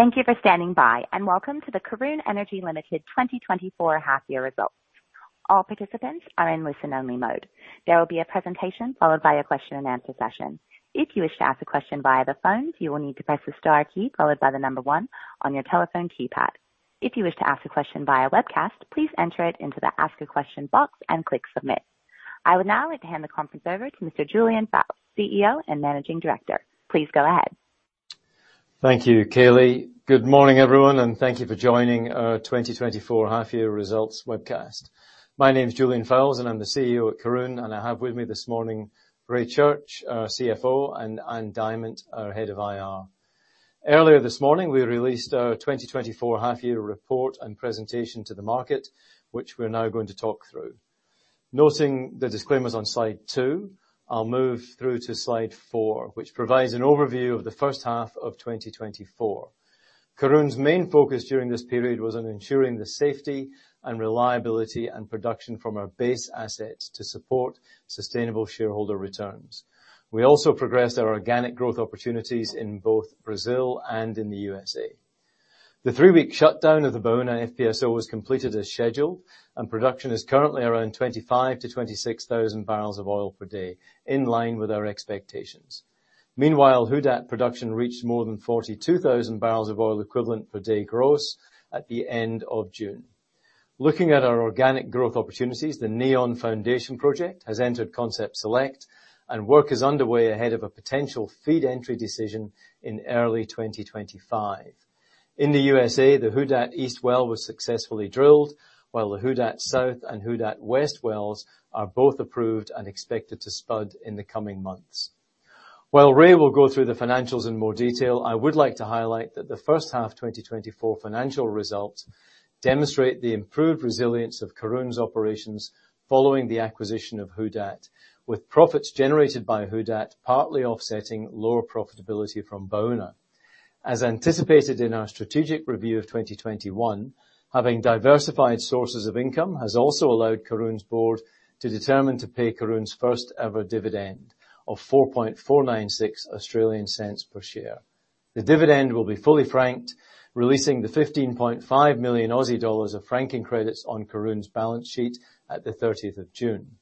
Thank you for standing by, and welcome to the Karoon Energy Limited 2024 half year results. All participants are in listen-only mode. There will be a presentation followed by a question and answer session. If you wish to ask a question via the phone, you will need to press the star key followed by the number one on your telephone keypad. If you wish to ask a question via webcast, please enter it into the Ask a Question box and click Submit. I would now like to hand the conference over to Mr. Julian Fowles, CEO and Managing Director. Please go ahead. Thank you, Kaylee. Good morning, everyone, and thank you for joining our twenty twenty-four half year results webcast. My name is Julian Fowles, and I'm the CEO at Karoon, and I have with me this morning Ray Church, our CFO, and Ann Diamant, our Head of IR. Earlier this morning, we released our twenty twenty-four half year report and presentation to the market, which we're now going to talk through. Noting the disclaimers on slide two, I'll move through to slide four, which provides an overview of the first half of twenty twenty-four. Karoon's main focus during this period was on ensuring the safety and reliability and production from our base assets to support sustainable shareholder returns. We also progressed our organic growth opportunities in both Brazil and in the USA. The three-week shutdown of the Baúna FPSO was completed as scheduled, and production is currently around 25-26 thousand barrels of oil per day, in line with our expectations. Meanwhile, Who Dat production reached more than 42 thousand barrels of oil equivalent per day gross at the end of June. Looking at our organic growth opportunities, the Neon Foundation Project has entered Concept Select, and work is underway ahead of a potential FEED entry decision in early 2025. In the USA, the Who Dat East Well was successfully drilled, while the Who Dat South and Who Dat West wells are both approved and expected to spud in the coming months. While Ray will go through the financials in more detail, I would like to highlight that the first half twenty twenty-four financial results demonstrate the improved resilience of Karoon's operations following the acquisition of Who Dat, with profits generated by Who Dat, partly offsetting lower profitability from Baúna. As anticipated in our strategic review of twenty twenty-one, having diversified sources of income has also allowed Karoon's Board to determine to pay Karoon's first ever dividend of 4.496 Australian cents per share. The dividend will be fully franked, releasing the 15.5 million Aussie dollars of franking credits on Karoon's balance sheet at the thirtieth of June.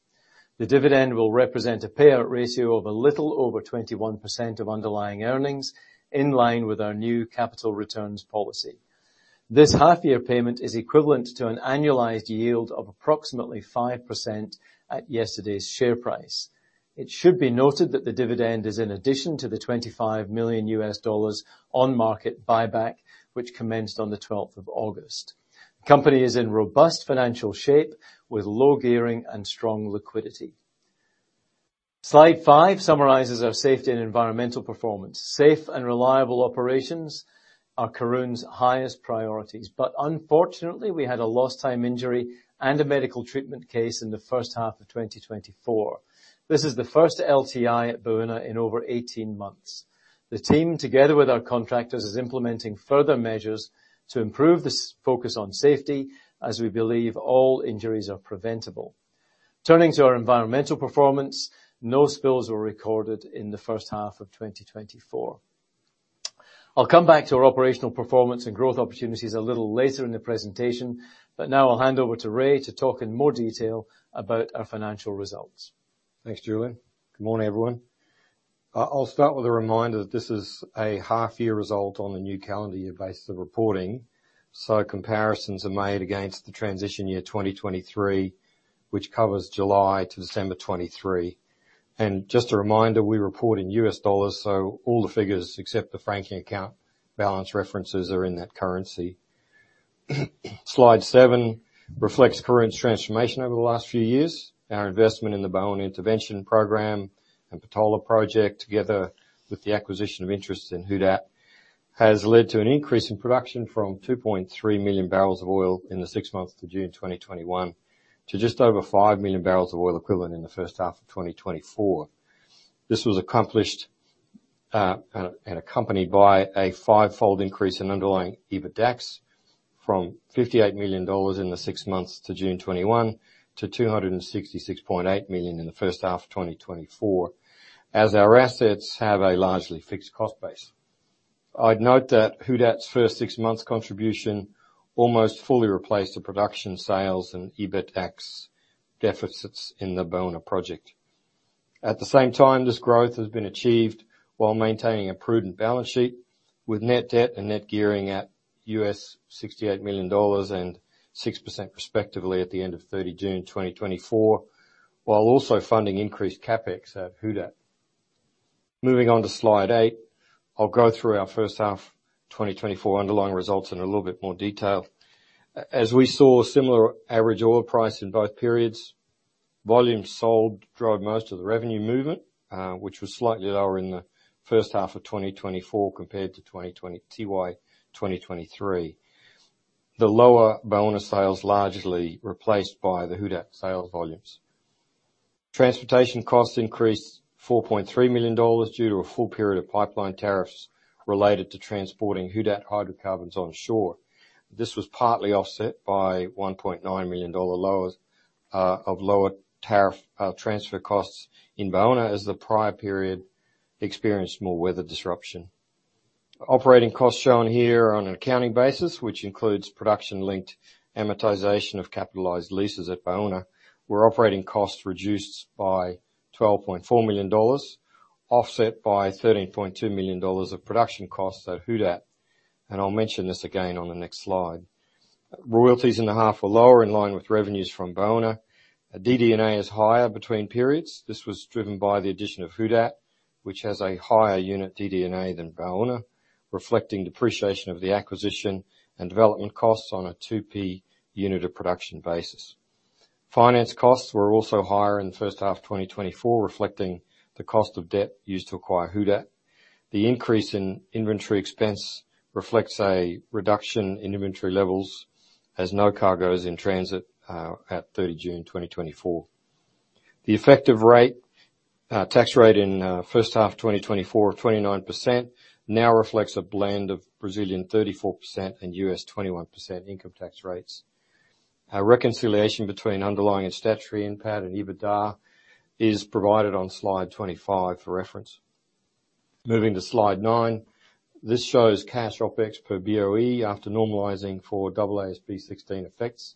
The dividend will represent a payout ratio of a little over 21% of underlying earnings, in line with our new capital returns policy. This half-year payment is equivalent to an annualized yield of approximately 5% at yesterday's share price. It should be noted that the dividend is in addition to the $25 million on-market buyback, which commenced on the twelfth of August. The company is in robust financial shape with low gearing and strong liquidity. Slide 5 summarizes our safety and environmental performance. Safe and reliable operations are Karoon's highest priorities, but unfortunately, we had a lost time injury and a medical treatment case in the first half of 2024. This is the first LTI at Baúna in over 18 months. The team, together with our contractors, is implementing further measures to improve this focus on safety, as we believe all injuries are preventable. Turning to our environmental performance, no spills were recorded in the first half of 2024. I'll come back to our operational performance and growth opportunities a little later in the presentation, but now I'll hand over to Ray to talk in more detail about our financial results. Thanks, Julian. Good morning, everyone. I'll start with a reminder that this is a half year result on the new calendar year basis of reporting, so comparisons are made against the transition year 2023, which covers July to December 2023, and just a reminder, we report in US dollars, so all the figures, except the franking account balance references, are in that currency. Slide 7 reflects Karoon's transformation over the last few years. Our investment in the Baúna intervention program and Patola Project, together with the acquisition of interests in Who Dat, has led to an increase in production from 2.3 million barrels of oil in the six months to June 2021, to just over 5 million barrels of oil equivalent in the first half of 2024. This was accomplished and accompanied by a fivefold increase in underlying EBITDAX, from $58 million in the six months to June 2021 to $266.8 million in the first half of 2024, as our assets have a largely fixed cost base. I'd note that Who Dat's first six months contribution almost fully replaced the production sales and EBITDAX deficits in the Baúna project. At the same time, this growth has been achieved while maintaining a prudent balance sheet, with net debt and net gearing at $68 million and 6%, respectively, at the end of 30 June 2024, while also funding increased CapEx at Who Dat. Moving on to Slide 8, I'll go through our first half 2024 underlying results in a little bit more detail. As we saw a similar average oil price in both periods, volumes sold drove most of the revenue movement, which was slightly lower in the first half of 2024 compared to 2023. The lower Baúna sales largely replaced by the Who Dat sales volumes. Transportation costs increased $4.3 million due to a full period of pipeline tariffs related to transporting Who Dat hydrocarbons onshore. This was partly offset by $1.9 million of lower tariff transfer costs in Baúna, as the prior period experienced more weather disruption. Operating costs shown here on an accounting basis, which includes production-linked amortization of capitalized leases at Baúna, where operating costs reduced by $12.4 million, offset by $13.2 million of production costs at Who Dat. And I'll mention this again on the next slide. Royalties in the half were lower, in line with revenues from Baúna. DD&A is higher between periods. This was driven by the addition of Who Dat, which has a higher unit DD&A than Baúna, reflecting depreciation of the acquisition and development costs on a 2P unit of production basis. Finance costs were also higher in the first half of 2024, reflecting the cost of debt used to acquire Who Dat. The increase in inventory expense reflects a reduction in inventory levels as no cargo is in transit at 30 June 2024. The effective tax rate in first half of 2024, of 29%, now reflects a blend of Brazilian 34% and U.S. 21% income tax rates. A reconciliation between underlying and statutory NPAT and EBITDA is provided on slide 25 for reference. Moving to Slide 9, this shows cash OpEx per BOE after normalizing for AASB 16 effects.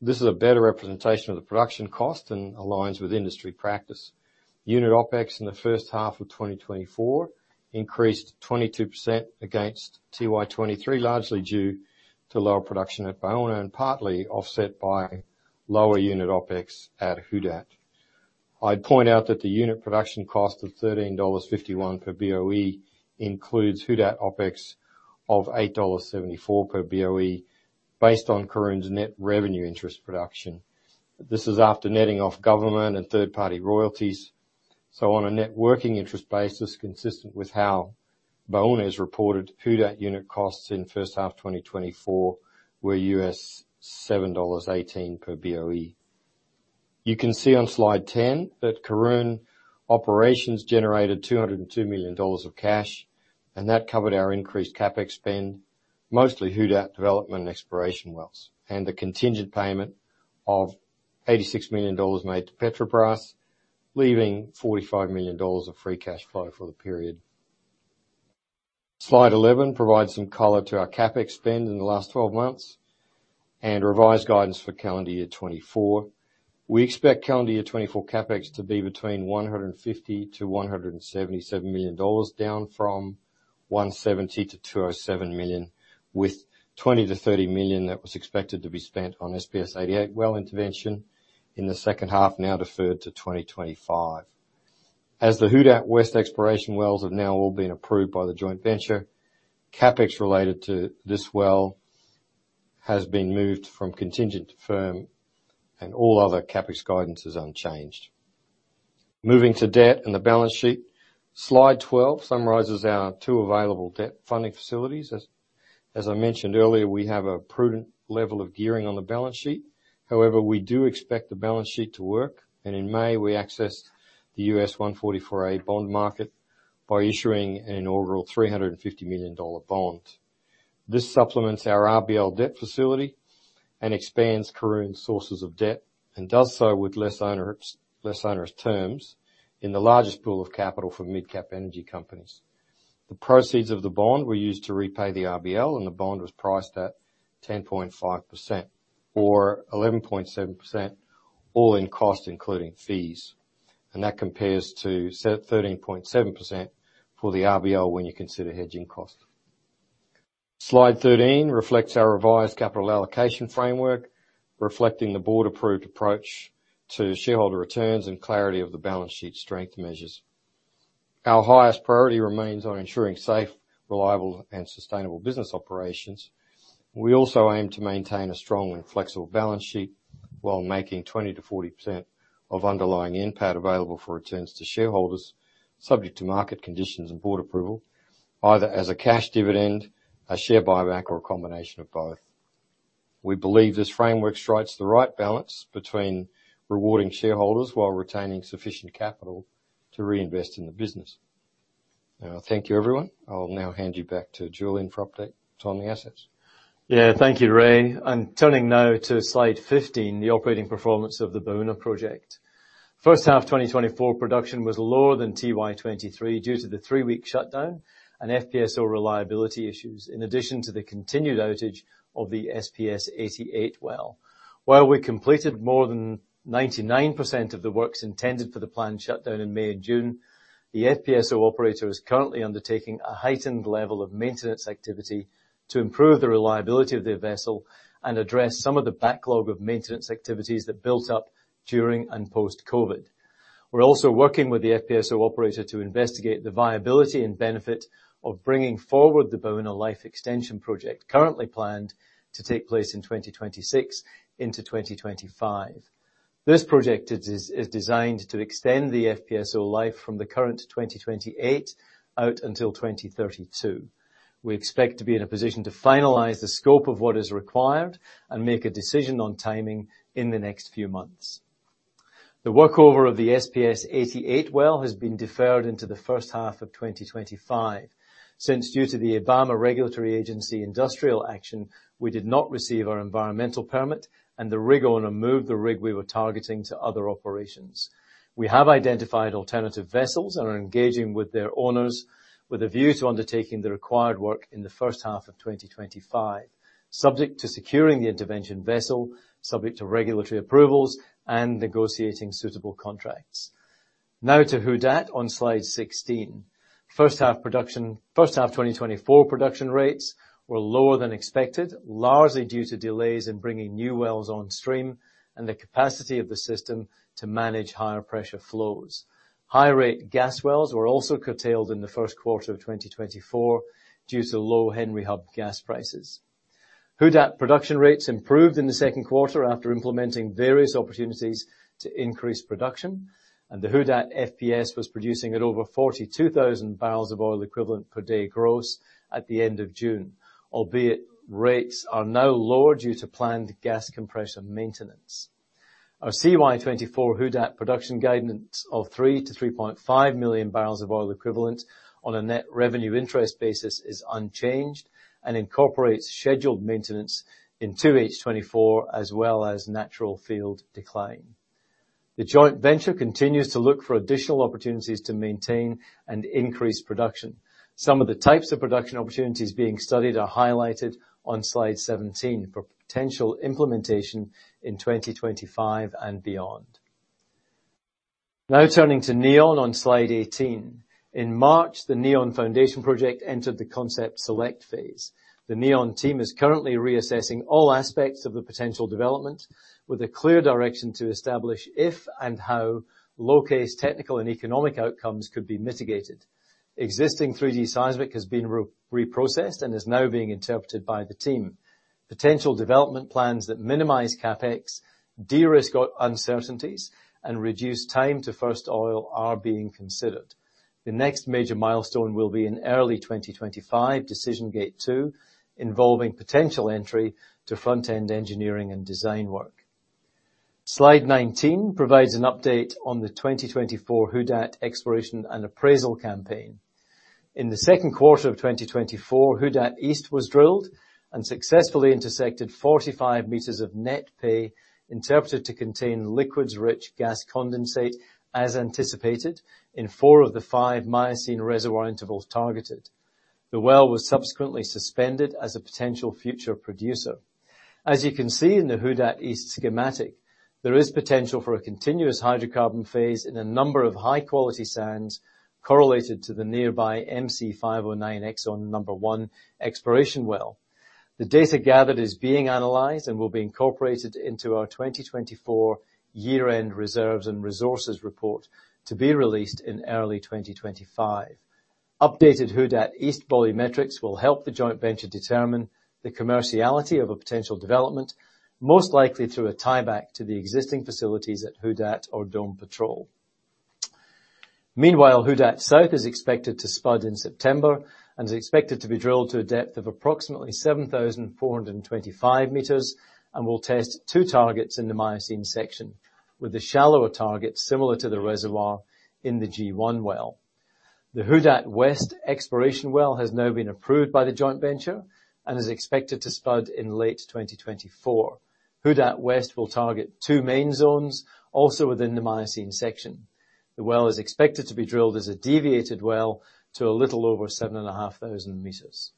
This is a better representation of the production cost and aligns with industry practice. Unit OpEx in the first half of 2024 increased 22% against FY 2023, largely due to lower production at Baúna and partly offset by lower unit OpEx at Who Dat. I'd point out that the unit production cost of $13.51 per BOE includes Who Dat OpEx of $8.74 per BOE, based on Karoon's net revenue interest production. This is after netting off government and third-party royalties. So on a net working interest basis, consistent with how Baúna is reported, Who Dat unit costs in first half 2024 were $7.18 per BOE. You can see on slide 10 that Karoon operations generated $202 million of cash, and that covered our increased CapEx spend, mostly Who Dat development and exploration wells, and the contingent payment of $86 million made to Petrobras, leaving $45 million of free cash flow for the period. Slide 11 provides some color to our CapEx spend in the last twelve months and revised guidance for calendar year 2024. We expect calendar year 2024 CapEx to be between $150-$177 million, down from $170-$207 million, with $20-$30 million that was expected to be spent on SPS-88 well intervention in the second half, now deferred to 2025. As the Who Dat West exploration wells have now all been approved by the joint venture, CapEx related to this well has been moved from contingent to firm, and all other CapEx guidance is unchanged. Moving to debt and the balance sheet. Slide 12 summarizes our two available debt funding facilities. As I mentioned earlier, we have a prudent level of gearing on the balance sheet. However, we do expect the balance sheet to work, and in May, we accessed the 144A bond market by issuing a $350 million bond. This supplements our RBL debt facility and expands Karoon's sources of debt, and does so with less onerous terms in the largest pool of capital for mid-cap energy companies. The proceeds of the bond were used to repay the RBL, and the bond was priced at 10.5%, or 11.7%, all-in cost, including fees. And that compares to thirteen point seven percent for the RBL when you consider hedging cost. Slide 13 reflects our revised capital allocation framework, reflecting the board-approved approach to shareholder returns and clarity of the balance sheet strength measures. Our highest priority remains on ensuring safe, reliable, and sustainable business operations. We also aim to maintain a strong and flexible balance sheet while making 20%-40% of underlying NPAT available for returns to shareholders, subject to market conditions and board approval, either as a cash dividend, a share buyback, or a combination of both. We believe this framework strikes the right balance between rewarding shareholders while retaining sufficient capital to reinvest in the business. Now, thank you, everyone. I'll now hand you back to Julian for update on the assets. Yeah, thank you, Ray. I'm turning now to Slide 15, the operating performance of the Baúna project. First half 2024 production was lower than TY 2023 due to the 3-week shutdown and FPSO reliability issues, in addition to the continued outage of the SPS-88 well. While we completed more than 99% of the works intended for the planned shutdown in May and June, the FPSO operator is currently undertaking a heightened level of maintenance activity to improve the reliability of their vessel and address some of the backlog of maintenance activities that built up during and post-COVID. We're also working with the FPSO operator to investigate the viability and benefit of bringing forward the Baúna Life Extension Project, currently planned to take place in 2026 into 2025. This project is designed to extend the FPSO life from the current 2028 out until 2032. We expect to be in a position to finalize the scope of what is required and make a decision on timing in the next few months. The workover of the SPS-88 well has been deferred into the first half of 2025. Since due to the IBAMA regulatory agency industrial action, we did not receive our environmental permit, and the rig owner moved the rig we were targeting to other operations. We have identified alternative vessels and are engaging with their owners, with a view to undertaking the required work in the first half of 2025, subject to securing the intervention vessel, subject to regulatory approvals and negotiating suitable contracts. Now to Who Dat on slide 16. First half production, first half 2024 production rates were lower than expected, largely due to delays in bringing new wells on stream and the capacity of the system to manage higher pressure flows. High rate gas wells were also curtailed in the first quarter of 2024 due to low Henry Hub gas prices. Who Dat production rates improved in the second quarter after implementing various opportunities to increase production, and the Who Dat FPS was producing at over 42,000 barrels of oil equivalent per day gross at the end of June, albeit rates are now lower due to planned gas compressor maintenance. Our CY 2024 Who Dat production guidance of 3-3.5 million barrels of oil equivalent on a net revenue interest basis is unchanged and incorporates scheduled maintenance in 2H 2024, as well as natural field decline. The joint venture continues to look for additional opportunities to maintain and increase production. Some of the types of production opportunities being studied are highlighted on Slide seventeen for potential implementation in twenty twenty-five and beyond. Now, turning to Neon on Slide eighteen. In March, the Neon Foundation Project entered the Concept Select phase. The Neon team is currently reassessing all aspects of the potential development with a clear direction to establish if and how low case technical and economic outcomes could be mitigated. Existing 3D seismic has been re-processed and is now being interpreted by the team. Potential development plans that minimize CapEx, de-risk uncertainties, and reduce time to first oil are being considered. The next major milestone will be in early twenty twenty-five, Decision Gate 2 involving potential entry to front-end engineering and design work. Slide nineteen provides an update on the 2024 Who Dat exploration and appraisal campaign. In the second quarter of 2024, Who Dat East was drilled and successfully intersected 45 meters of net pay, interpreted to contain liquids-rich gas condensate, as anticipated in four of the five Miocene reservoir intervals targeted. The well was subsequently suspended as a potential future producer. As you can see in the Who Dat East schematic, there is potential for a continuous hydrocarbon phase in a number of high-quality sands correlated to the nearby MC-509 Exxon #1 exploration well. The data gathered is being analyzed and will be incorporated into our 2024 year-end reserves and resources report to be released in early 2025. Updated Who Dat East body metrics will help the joint venture determine the commerciality of a potential development, most likely through a tieback to the existing facilities at Who Dat or Dome Patrol. Meanwhile, Who Dat South is expected to spud in September and is expected to be drilled to a depth of approximately 7,425 meters and will test two targets in the Miocene section, with the shallower target similar to the reservoir in the G-1 well. The Who Dat West exploration well has now been approved by the joint venture and is expected to spud in late 2024. Who Dat West will target two main zones, also within the Miocene section. The well is expected to be drilled as a deviated well to a little over 7,500 meters.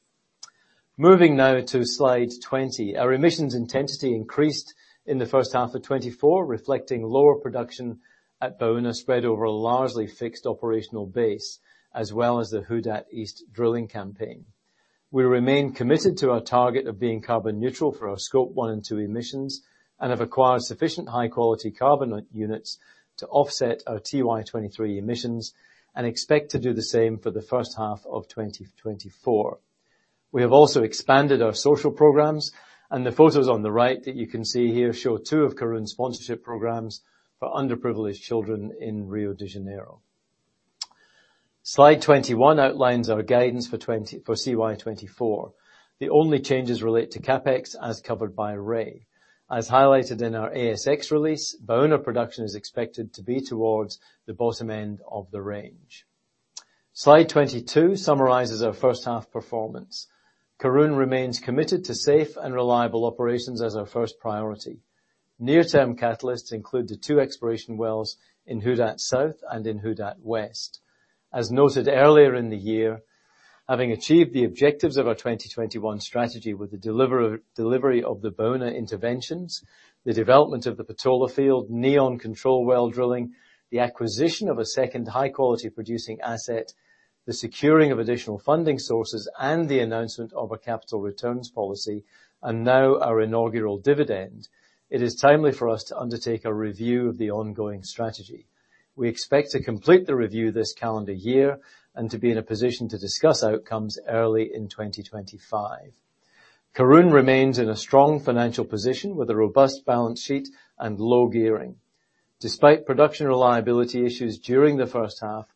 Moving now to Slide 20. Our emissions intensity increased in the first half of 2024, reflecting lower production at Baúna, spread over a largely fixed operational base, as well as the Who Dat East drilling campaign. We remain committed to our target of being carbon neutral for our Scope 1 and 2 emissions, and have acquired sufficient high-quality carbon units to offset our FY 2023 emissions and expect to do the same for the first half of 2024. We have also expanded our social programs, and the photos on the right that you can see here show two of Karoon's sponsorship programs for underprivileged children in Rio de Janeiro. Slide 21 outlines our guidance for CY 2024. The only changes relate to CapEx, as covered by Ray. As highlighted in our ASX release, Baúna production is expected to be towards the bottom end of the range. Slide 22 summarizes our first half performance. Karoon remains committed to safe and reliable operations as our first priority. Near-term catalysts include the two exploration wells in Who Dat South and in Who Dat West. As noted earlier in the year, having achieved the objectives of our twenty twenty-one strategy with the delivery of the Baúna interventions, the development of the Patola field, Neon control well drilling, the acquisition of a second high-quality producing asset, the securing of additional funding sources, and the announcement of a capital returns policy, and now our inaugural dividend, it is timely for us to undertake a review of the ongoing strategy. We expect to complete the review this calendar year and to be in a position to discuss outcomes early in twenty twenty-five. Karoon remains in a strong financial position with a robust balance sheet and low gearing. Despite production reliability issues during the first half.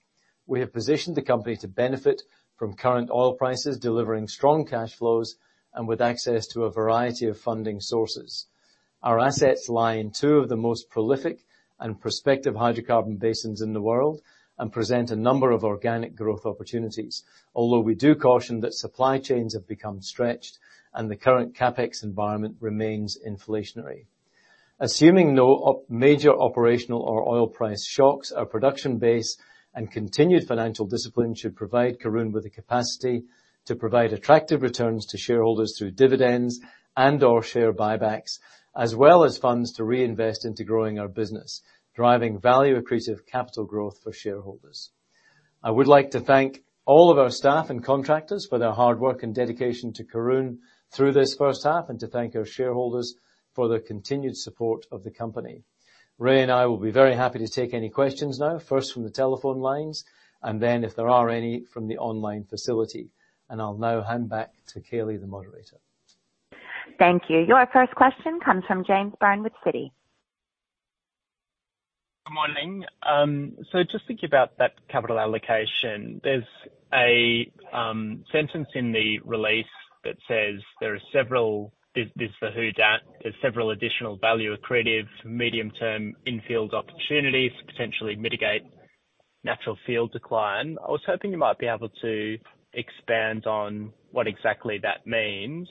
We have positioned the company to benefit from current oil prices, delivering strong cash flows, and with access to a variety of funding sources. Our assets lie in two of the most prolific and prospective hydrocarbon basins in the world, and present a number of organic growth opportunities. Although we do caution that supply chains have become stretched, and the current CapEx environment remains inflationary. Assuming no major operational or oil price shocks, our production base and continued financial discipline should provide Karoon with the capacity to provide attractive returns to shareholders through dividends and/or share buybacks, as well as funds to reinvest into growing our business, driving value-accretive capital growth for shareholders. I would like to thank all of our staff and contractors for their hard work and dedication to Karoon through this first half, and to thank our shareholders for their continued support of the company. Ray and I will be very happy to take any questions now, first from the telephone lines, and then, if there are any, from the online facility. And I'll now hand back to Kaylee, the moderator. Thank you. Your first question comes from James Byrne with Citi. Good morning. So just thinking about that capital allocation, there's a sentence in the release that says there are several. This is the Who Dat, "There's several additional value accretive medium-term infield opportunities to potentially mitigate natural field decline." I was hoping you might be able to expand on what exactly that means.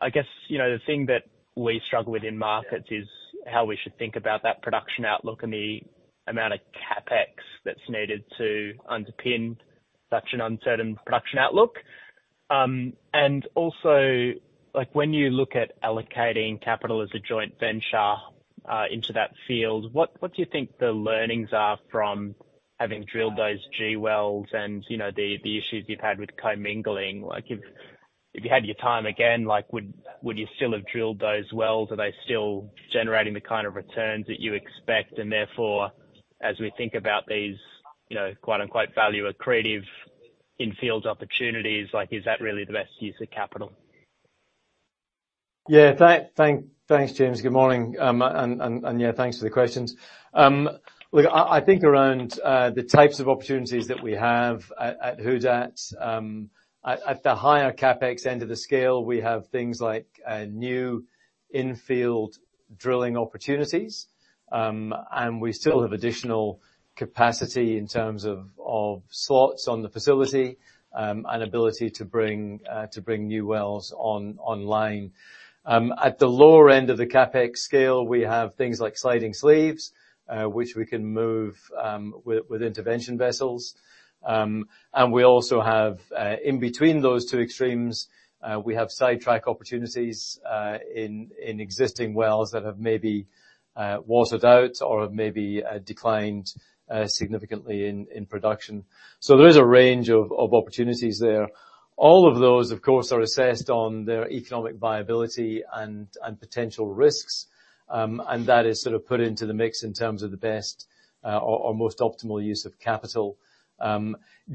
I guess, you know, the thing that we struggle with in markets is how we should think about that production outlook and the amount of CapEx that's needed to underpin such an uncertain production outlook. And also, like, when you look at allocating capital as a joint venture into that field, what do you think the learnings are from having drilled those G wells and, you know, the issues you've had with commingling? Like, if you had your time again, like, would you still have drilled those wells? Are they still generating the kind of returns that you expect? And therefore, as we think about these, you know, quote, unquote, "value accretive" in-fields opportunities, like, is that really the best use of capital? Yeah, thanks, James. Good morning, and yeah, thanks for the questions. Look, I think around the types of opportunities that we have at Who Dat, at the higher CapEx end of the scale, we have things like new infield drilling opportunities, and we still have additional capacity in terms of slots on the facility, and ability to bring new wells online. At the lower end of the CapEx scale, we have things like sliding sleeves, which we can move with intervention vessels. And we also have, in between those two extremes, we have sidetrack opportunities in existing wells that have maybe watered out or have maybe declined significantly in production. So there is a range of opportunities there. All of those, of course, are assessed on their economic viability and potential risks, and that is sort of put into the mix in terms of the best or most optimal use of capital.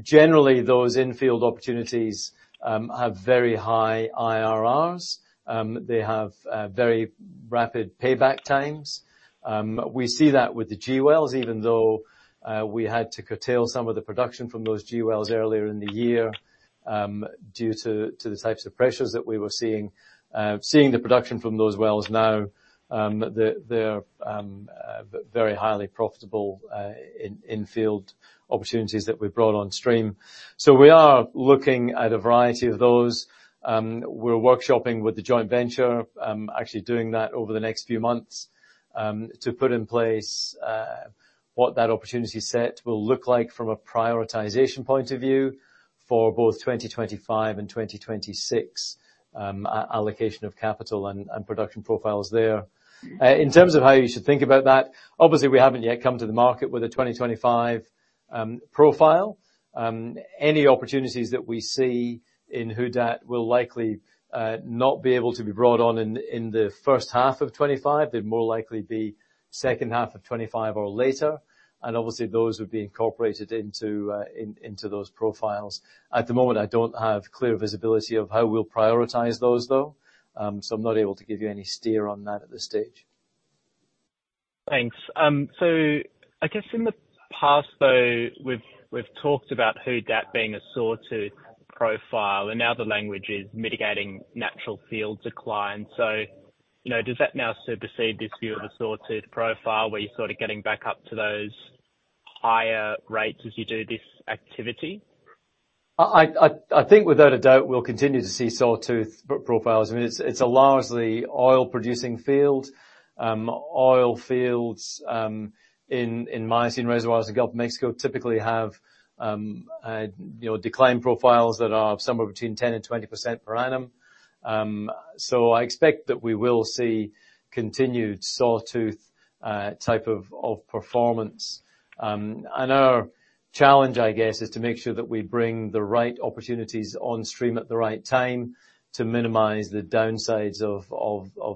Generally, those infield opportunities have very high IRRs. They have very rapid payback times. We see that with the G wells, even though we had to curtail some of the production from those G wells earlier in the year, due to the types of pressures that we were seeing. Seeing the production from those wells now, they're very highly profitable infield opportunities that we've brought on stream. So we are looking at a variety of those. We're workshopping with the joint venture, actually doing that over the next few months, to put in place what that opportunity set will look like from a prioritization point of view for both 2025 and 2026, allocation of capital and production profiles there. In terms of how you should think about that, obviously, we haven't yet come to the market with a 2025 profile. Any opportunities that we see in Who Dat will likely not be able to be brought on in the first half of 2025. They'd more likely be second half of 2025 or later, and obviously, those would be incorporated into those profiles. At the moment, I don't have clear visibility of how we'll prioritize those, though, so I'm not able to give you any steer on that at this stage. Thanks. So I guess in the past, though, we've talked about Who Dat being a sawtooth profile, and now the language is mitigating natural field decline. So, you know, does that now supersede this view of a sawtooth profile, where you're sort of getting back up to those higher rates as you do this activity? I think without a doubt, we'll continue to see sawtooth profiles. I mean, it's a largely oil-producing field. Oil fields in Miocene reservoirs, the Gulf of Mexico typically have decline profiles that are somewhere between 10%-20% per annum. So I expect that we will see continued sawtooth type of performance. And our challenge, I guess, is to make sure that we bring the right opportunities on stream at the right time to minimize the downsides of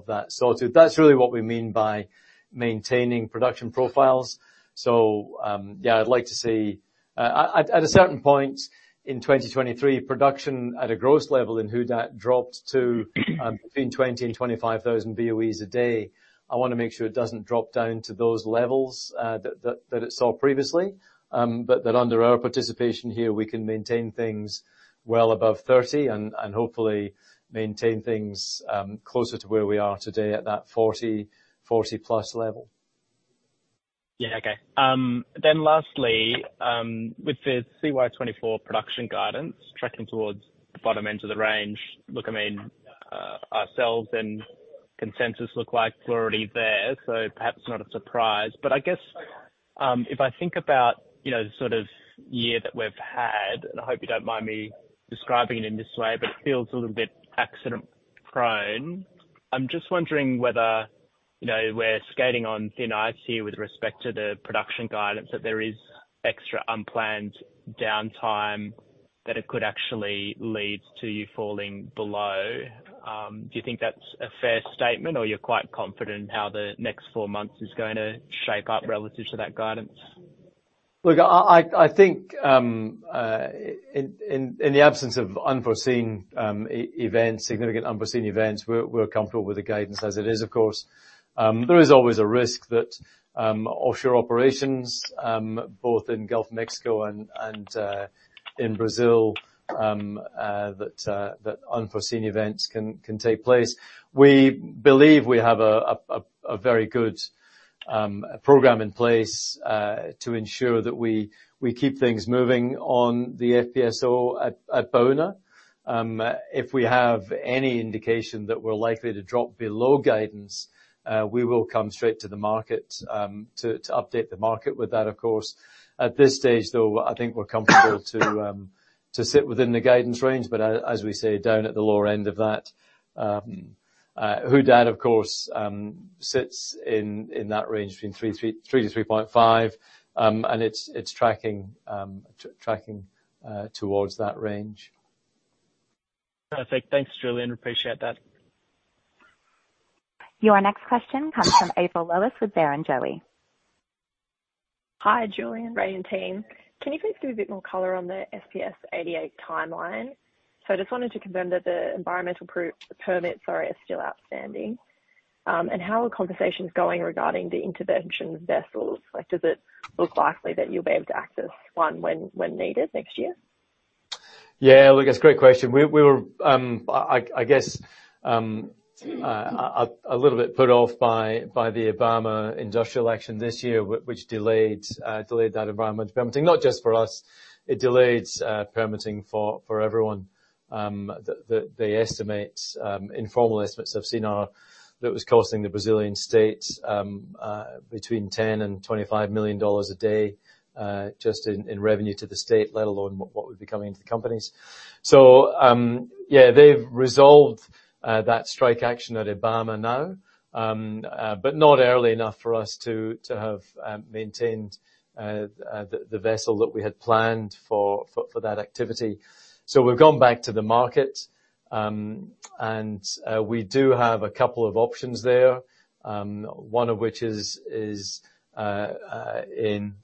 that sawtooth. That's really what we mean by maintaining production profiles. So yeah, I'd like to see. At a certain point in 2023, production at a gross level in Who Dat dropped to between 20,000 and 25,000 BOEs a day. I wanna make sure it doesn't drop down to those levels, that it saw previously, but that under our participation here, we can maintain things well above thirty and hopefully maintain things closer to where we are today at that forty, forty-plus level.... Yeah. Okay. Then lastly, with the CY 2024 production guidance tracking towards the bottom end of the range, look, I mean, ourselves and consensus look like we're already there, so perhaps not a surprise. But I guess, if I think about, you know, the sort of year that we've had, and I hope you don't mind me describing it in this way, but it feels a little bit accident-prone. I'm just wondering whether, you know, we're skating on thin ice here with respect to the production guidance, that there is extra unplanned downtime, that it could actually lead to you falling below. Do you think that's a fair statement, or you're quite confident in how the next four months is going to shape up relative to that guidance? Look, I think in the absence of unforeseen events, significant unforeseen events, we're comfortable with the guidance as it is, of course. There is always a risk that offshore operations both in Gulf of Mexico and in Brazil that unforeseen events can take place. We believe we have a very good program in place to ensure that we keep things moving on the FPSO at Baúna. If we have any indication that we're likely to drop below guidance, we will come straight to the market to update the market with that, of course. At this stage, though, I think we're comfortable to sit within the guidance range, but as we say, down at the lower end of that. Who Dat, of course, sits in that range between 3 to 3.5, and it's tracking towards that range. Perfect. Thanks, Julian. Appreciate that. Your next question comes from April Willis with Barrenjoey. Hi, Julian, Ray, and team. Can you please give a bit more color on the SPS-88 timeline? So I just wanted to confirm that the environmental permit, sorry, is still outstanding, and how are conversations going regarding the intervention vessels? Like, does it look likely that you'll be able to access one when needed next year? Yeah, look, it's a great question. We were a little bit put off by the IBAMA industrial action this year, which delayed that environmental permitting. Not just for us, it delayed permitting for everyone. The estimates, informal estimates I've seen are that was costing the Brazilian state between $10 million and $25 million a day, just in revenue to the state, let alone what would be coming into the companies. Yeah, they've resolved that strike action at IBAMA now, but not early enough for us to have maintained the vessel that we had planned for that activity. So we've gone back to the market, and we do have a couple of options there, one of which is in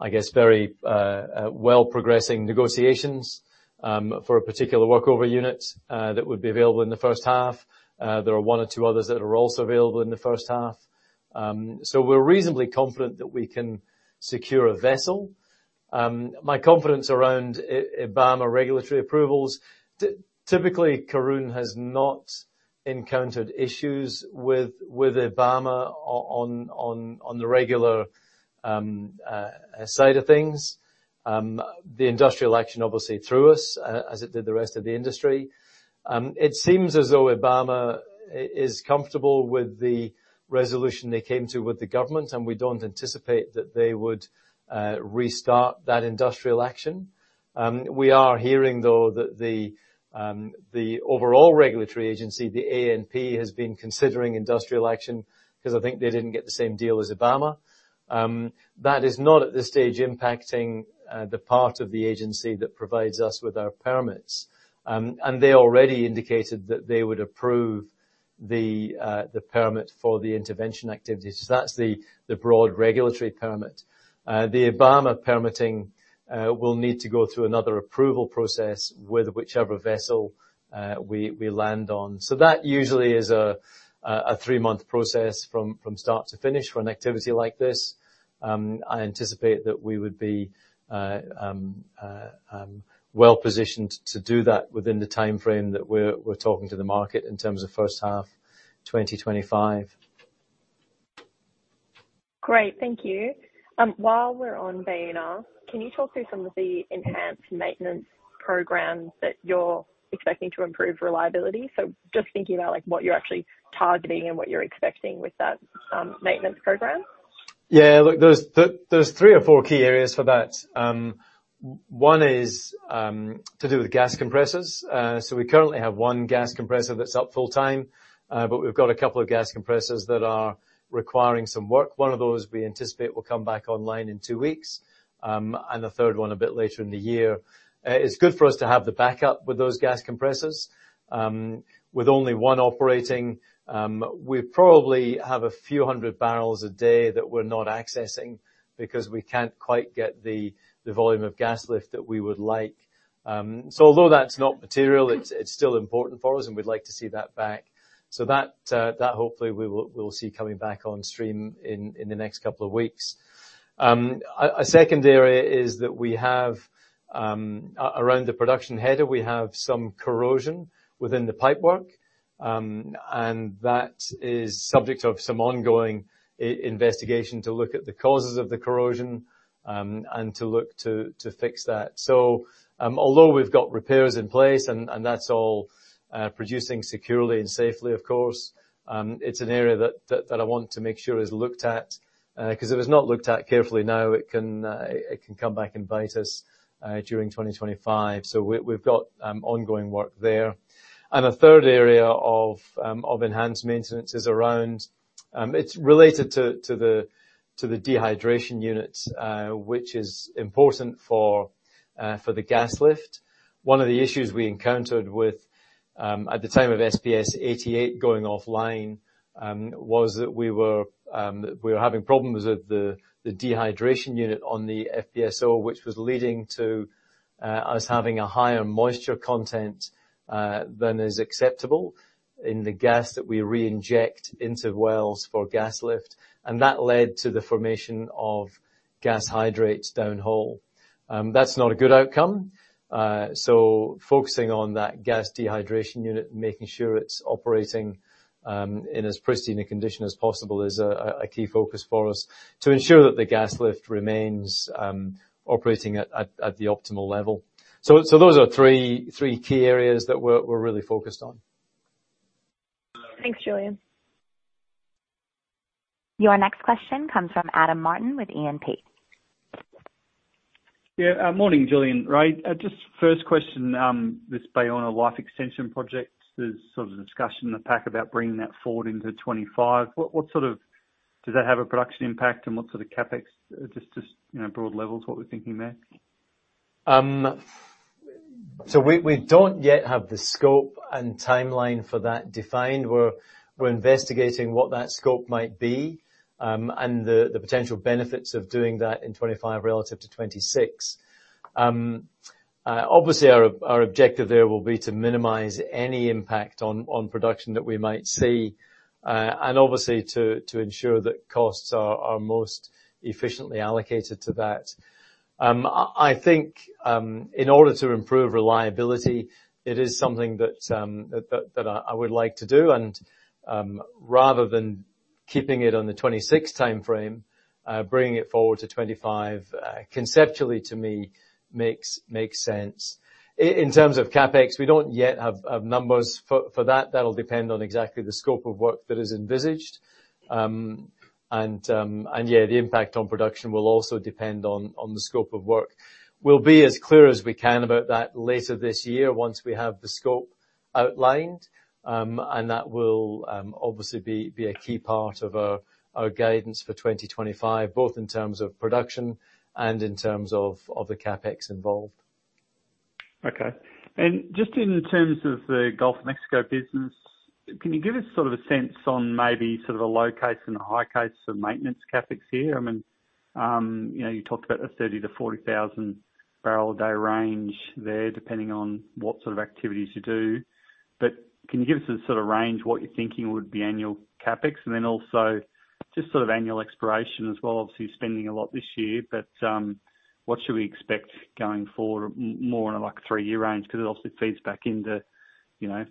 I guess very well progressing negotiations for a particular workover unit that would be available in the first half. There are one or two others that are also available in the first half. So we're reasonably confident that we can secure a vessel. My confidence around IBAMA regulatory approvals, typically, Karoon has not encountered issues with IBAMA on the regulatory side of things. The industrial action obviously threw us, as it did the rest of the industry. It seems as though IBAMA is comfortable with the resolution they came to with the government, and we don't anticipate that they would restart that industrial action. We are hearing, though, that the overall regulatory agency, the ANP, has been considering industrial action because I think they didn't get the same deal as IBAMA. That is not, at this stage, impacting the part of the agency that provides us with our permits, and they already indicated that they would approve the permit for the intervention activities. So that's the broad regulatory permit. The IBAMA permitting will need to go through another approval process with whichever vessel we land on. So that usually is a three-month process from start to finish for an activity like this. I anticipate that we would be well positioned to do that within the timeframe that we're talking to the market in terms of first half 2025. Great. Thank you. While we're on Baúna, can you talk through some of the enhanced maintenance programs that you're expecting to improve reliability? So just thinking about, like, what you're actually targeting and what you're expecting with that, maintenance program. Yeah, look, there's three or four key areas for that. One is to do with gas compressors. So we currently have one gas compressor that's up full-time, but we've got a couple of gas compressors that are requiring some work. One of those we anticipate will come back online in two weeks, and the third one a bit later in the year. It's good for us to have the backup with those gas compressors. With only one operating, we probably have a few hundred barrels a day that we're not accessing because we can't quite get the volume of gas lift that we would like. So although that's not material, it's still important for us, and we'd like to see that back. That hopefully we will see coming back on stream in the next couple of weeks. A second area is that we have around the production header, we have some corrosion within the pipework, and that is subject of some ongoing investigation to look at the causes of the corrosion, and to fix that. Although we've got repairs in place, and that's all producing securely and safely, of course, it's an area that I want to make sure is looked at, because if it is not looked at carefully now, it can come back and bite us during 2025. We've got ongoing work there. A third area of enhanced maintenance is around. It's related to the dehydration units, which is important for the gas lift. One of the issues we encountered with at the time of SPS-88 going offline was that we were having problems with the dehydration unit on the FPSO, which was leading to us having a higher moisture content than is acceptable in the gas that we reinject into wells for gas lift, and that led to the formation of gas hydrates downhole. That's not a good outcome. So focusing on that gas dehydration unit and making sure it's operating in as pristine a condition as possible is a key focus for us to ensure that the gas lift remains operating at the optimal level. So those are three key areas that we're really focused on. Thanks, Julian. Your next question comes from Adam Martin with E&P. Yeah. Morning, Julian, Ray. Just first question, this Baúna life extension project, there's sort of a discussion in the pack about bringing that forward into 2025. What sort of production impact does that have, and what sort of CapEx, just, you know, broad levels, what we're thinking there? We don't yet have the scope and timeline for that defined. We're investigating what that scope might be, and the potential benefits of doing that in 2025 relative to 2026. Obviously, our objective there will be to minimize any impact on production that we might see, and obviously to ensure that costs are most efficiently allocated to that. I think, in order to improve reliability, it is something that I would like to do. Rather than keeping it on the 2026 timeframe, bringing it forward to 2025, conceptually to me makes sense. In terms of CapEx, we don't yet have numbers for that. That'll depend on exactly the scope of work that is envisaged. Yeah, the impact on production will also depend on the scope of work. We'll be as clear as we can about that later this year once we have the scope outlined, and that will obviously be a key part of our guidance for 2025, both in terms of production and in terms of the CapEx involved. Okay. And just in terms of the Gulf of Mexico business, can you give us sort of a sense on maybe sort of a low case and a high case of maintenance CapEx here? I mean, you know, you talked about a 30-40 thousand barrel a day range there, depending on what sort of activities you do. But can you give us a sort of range, what you're thinking would be annual CapEx, and then also just sort of annual exploration as well? Obviously, spending a lot this year, but, what should we expect going forward, more in a, like, a three-year range? Because it obviously feeds back into, you know,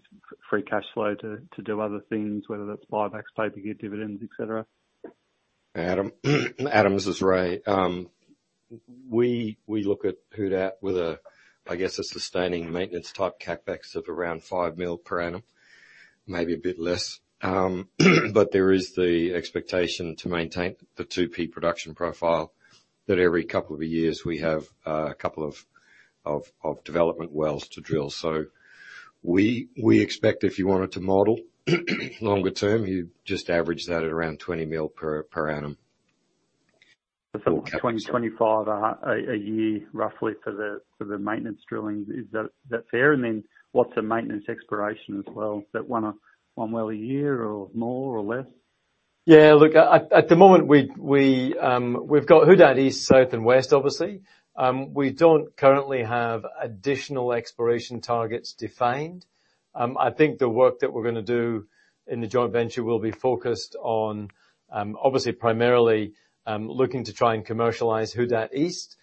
free cash flow to, to do other things, whether that's buybacks, paper, get dividends, et cetera. Adam? Adams, this is Ray. We look at Who Dat with a, I guess, a sustaining maintenance-type CapEx of around $5 million per annum, maybe a bit less. But there is the expectation to maintain the 2P production profile that every couple of years we have a couple of development wells to drill. So we expect if you wanted to model, longer term, you'd just average that at around $20 million per annum. So 2025, a year, roughly for the maintenance drilling. Is that fair? And then what's the maintenance exploration as well? Is that one well a year or more or less? Yeah, look, at the moment, we've got Who Dat East, South, and West, obviously. We don't currently have additional exploration targets defined. I think the work that we're gonna do in the joint venture will be focused on, obviously primarily, looking to try and commercialize Who Dat East.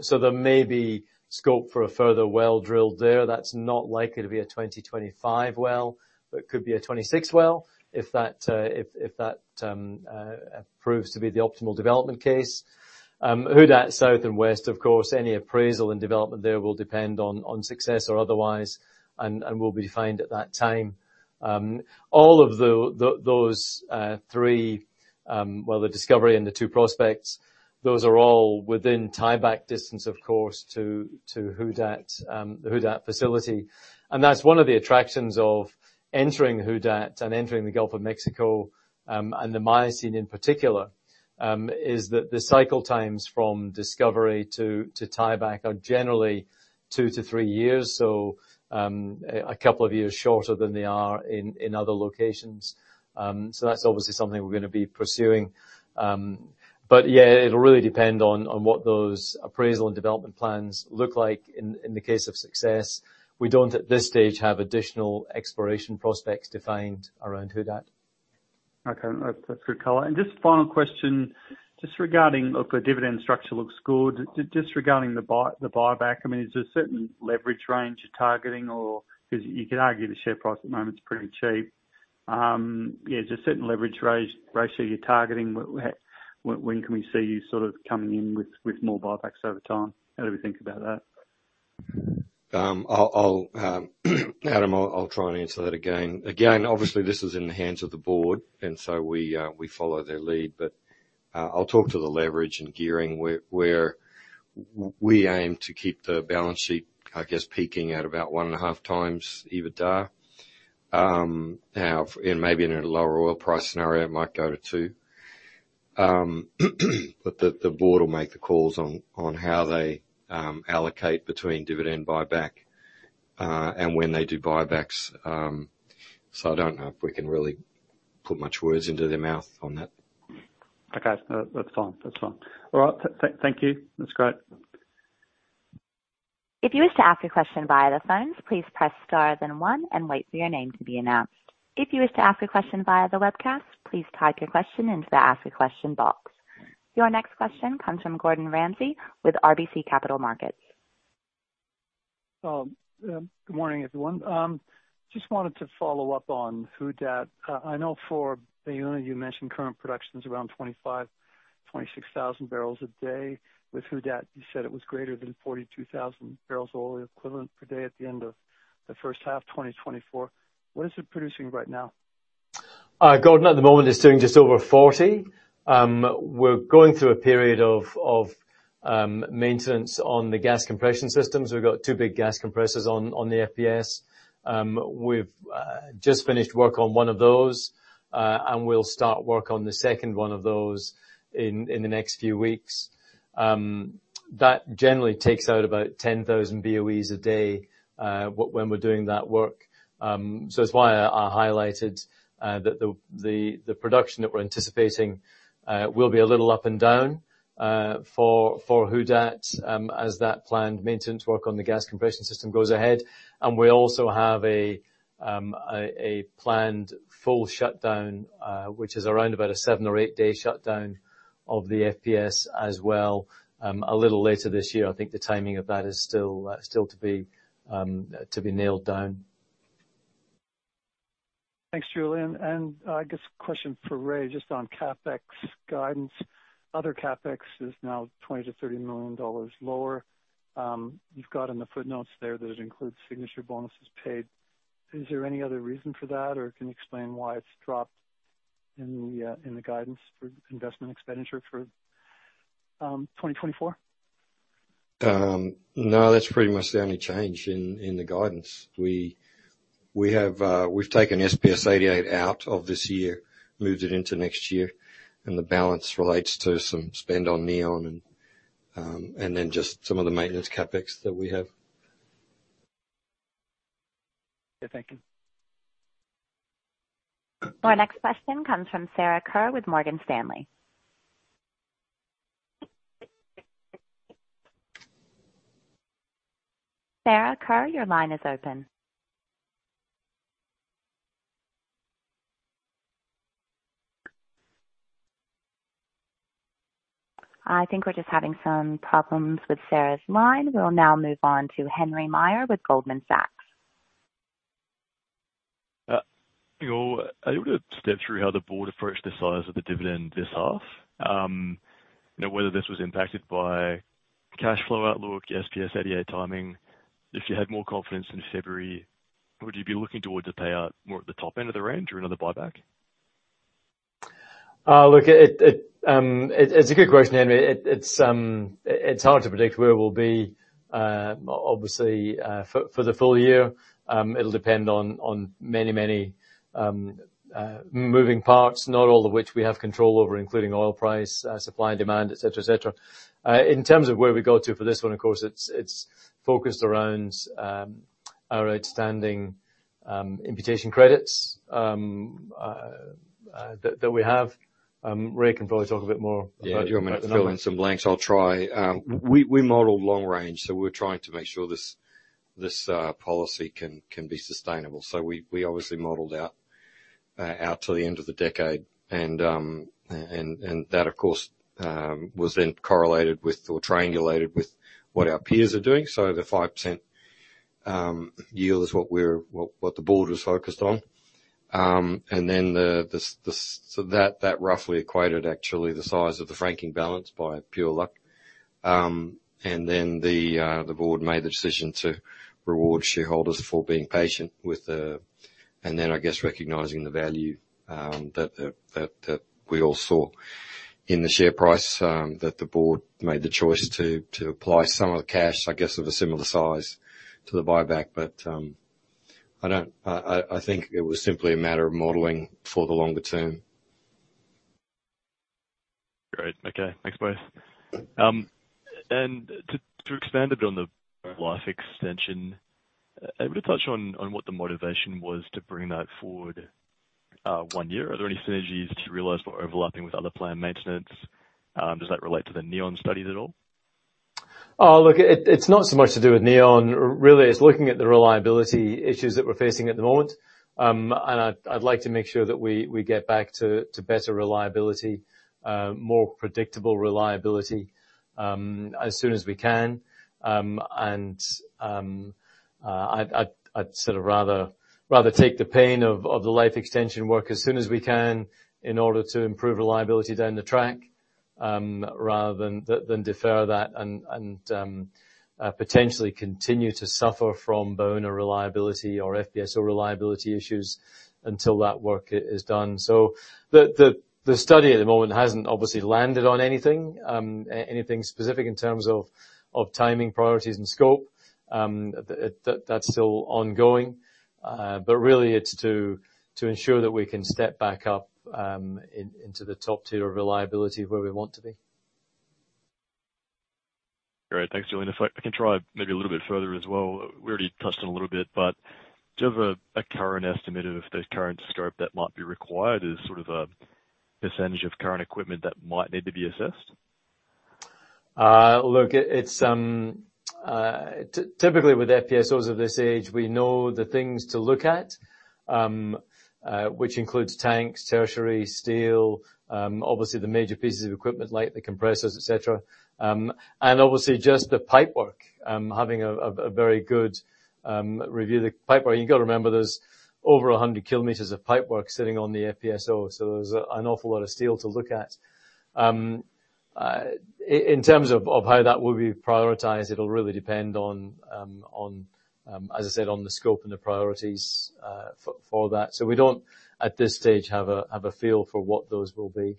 So there may be scope for a further well drill there. That's not likely to be a 2025 well, but it could be a 2026 well, if that, if that proves to be the optimal development case. Who Dat South and West, of course, any appraisal and development there will depend on success or otherwise, and will be defined at that time. All of those three, well, the discovery and the two prospects, those are all within tieback distance, of course, to Who Dat, the Who Dat facility, and that's one of the attractions of entering Who Dat and entering the Gulf of Mexico, and the Miocene in particular, is that the cycle times from discovery to tieback are generally two to three years, so a couple of years shorter than they are in other locations, so that's obviously something we're gonna be pursuing, but yeah, it'll really depend on what those appraisal and development plans look like in the case of success. We don't, at this stage, have additional exploration prospects defined around Who Dat.... Okay, that's good color. And just final question, just regarding, look, the dividend structure looks good. Just regarding the buyback, I mean, is there a certain leverage range you're targeting or... Because you could argue the share price at the moment is pretty cheap. Yeah, is there a certain leverage ratio you're targeting? When can we see you sort of coming in with more buybacks over time? How do we think about that? I'll try and answer that again, Adam. Again, obviously, this is in the hands of the board, and so we follow their lead. But I'll talk to the leverage and gearing, where we aim to keep the balance sheet, I guess, peaking at about one and a half times EBITDA. Now, and maybe in a lower oil price scenario, it might go to two. But the board will make the calls on how they allocate between dividend buyback and when they do buybacks. So I don't know if we can really put much words into their mouth on that. Okay. That's fine. That's fine. All right, thank you. That's great. If you wish to ask a question via the phone, please press star then one and wait for your name to be announced. If you wish to ask a question via the webcast, please type your question into the Ask a Question box. Your next question comes from Gordon Ramsay with RBC Capital Markets. Good morning, everyone. Just wanted to follow up on Who Dat. I know for Baúna, you mentioned current production is around 25,000-26,000 barrels a day. With Who Dat, you said it was greater than 42,000 barrels of oil equivalent per day at the end of the first half, 2024. What is it producing right now? Gordon, at the moment, it's doing just over 40. We're going through a period of maintenance on the gas compression systems. We've got two big gas compressors on the FPS. We've just finished work on one of those, and we'll start work on the second one of those in the next few weeks. That generally takes out about 10,000 BOEs a day when we're doing that work. So that's why I highlighted that the production that we're anticipating will be a little up and down for Who Dat as that planned maintenance work on the gas compression system goes ahead. We also have a planned full shutdown, which is around about a seven or eight-day shutdown of the FPS as well, a little later this year. I think the timing of that is still to be nailed down. Thanks, Julian. And, I guess, question for Ray, just on CapEx guidance. Other CapEx is now $20-$30 million lower. You've got in the footnotes there that it includes signature bonuses paid. Is there any other reason for that, or can you explain why it's dropped in the guidance for investment expenditure for 2024? No, that's pretty much the only change in the guidance. We've taken SPS-88 out of this year, moved it into next year, and the balance relates to some spend on Neon and then just some of the maintenance CapEx that we have. Yeah, thank you. Our next question comes from Sarah Kerr with Morgan Stanley. Sarah Kerr, your line is open. I think we're just having some problems with Sarah's line. We'll now move on to Henry Meyer with Goldman Sachs. You know, are you able to step through how the board approached the size of the dividend this half? You know, whether this was impacted by cash flow outlook, SPS-88A timing. If you had more confidence in February, would you be looking towards a payout more at the top end of the range or another buyback? Look, it's a good question, Henry. It's hard to predict where we'll be, obviously, for the full year. It'll depend on many moving parts, not all of which we have control over, including oil price, supply and demand, et cetera, et cetera. In terms of where we go to for this one, of course, it's focused around our outstanding imputation credits that we have. Ray can probably talk a bit more about- Yeah, do you want me to fill in some blanks? I'll try. We modeled long range, so we're trying to make sure this policy can be sustainable. So we obviously modeled out to the end of the decade. And that, of course, was then correlated with, or triangulated with what our peers are doing. So the 5% yield is what the board was focused on. And then the so that roughly equated actually the size of the franking balance by pure luck. And then the board made the decision to reward shareholders for being patient with the... I guess, recognizing the value that we all saw in the share price, that the board made the choice to apply some of the cash, I guess, of a similar size to the buyback. But I don't think it was simply a matter of modeling for the longer term. Great. Okay. Thanks, both, and to expand a bit on the life extension, able to touch on what the motivation was to bring that forward one year? Are there any synergies to realize what overlapping with other planned maintenance? Does that relate to the Neon studies at all? Oh, look, it's not so much to do with Neon. Really, it's looking at the reliability issues that we're facing at the moment. And I'd like to make sure that we get back to better reliability, more predictable reliability, as soon as we can. And I'd sort of rather take the pain of the life extension work as soon as we can in order to improve reliability down the track, rather than defer that and potentially continue to suffer from Baúna reliability or FPSO reliability issues until that work is done. So the study at the moment hasn't obviously landed on anything specific in terms of timing, priorities, and scope. That's still ongoing. But really it's to ensure that we can step back up into the top tier of reliability where we want to be. Great. Thanks, Julian. If I can try maybe a little bit further as well. We already touched on it a little bit, but do you have a current estimate of the current scope that might be required as sort of a percentage of current equipment that might need to be assessed? Look, it's typically, with FPSOs of this age, we know the things to look at, which includes tanks, turrets, steel, obviously the major pieces of equipment, like the compressors, et cetera. And obviously, just the pipework, having a very good review. The pipework, you got to remember, there's over 100 km of pipework sitting on the FPSO, so there's an awful lot of steel to look at. In terms of how that will be prioritized, it'll really depend on, as I said, on the scope and the priorities for that. So we don't, at this stage, have a feel for what those will be.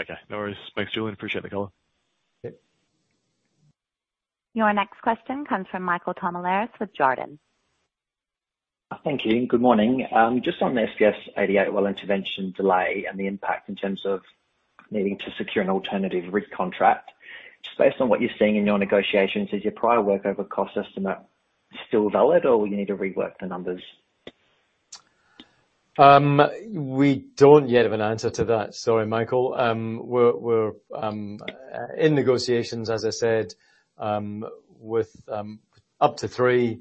Okay. No worries. Thanks, Julian. Appreciate the call. Okay. Your next question comes from Michael Tomalares with Jarden. Thank you, and good morning. Just on the SPS-88 well intervention delay and the impact in terms of needing to secure an alternative rig contract. Just based on what you're seeing in your negotiations, is your prior workover cost estimate still valid, or will you need to rework the numbers? We don't yet have an answer to that. Sorry, Michael. We're in negotiations, as I said, with up to three